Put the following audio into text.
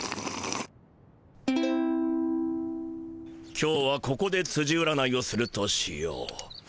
今日はここでつじ占いをするとしよう。